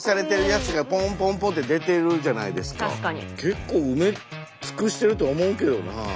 結構埋め尽くしてると思うけどな。